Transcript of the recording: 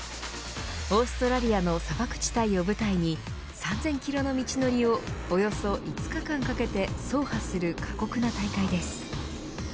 オーストラリアの砂漠地帯を舞台に３０００キロの道のりをおよそ５日間かけて走破する過酷な大会です。